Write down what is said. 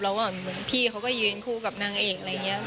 แล้วแบบเหมือนพี่เขาก็ยืนคู่กับนางเอกอะไรอย่างนี้